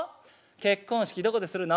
「結婚式どこでするの？」。